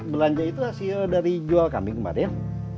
belanja itu hasil dari jual kami kemarin